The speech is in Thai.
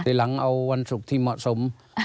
ทีหลังเอาวันศุกร์ที่เหมาะสม